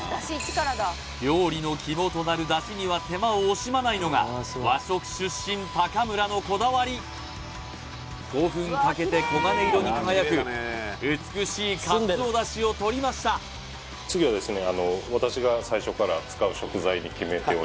料理の肝となる出汁には手間を惜しまないのが和食出身高村のこだわり５分かけて黄金色に輝く美しいかつおだしをとりました次はですね